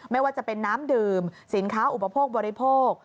ไม่ว่าจะเป็นน้ำดื่มสินค้าอุปโภคบริโภค